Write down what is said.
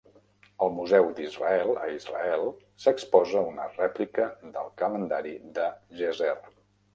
Al Museu d'Israel, a Israel, s'exposa una rèplica del calendari de Gezer.